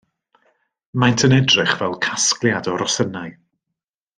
Maent yn edrych fel casgliad o rosynnau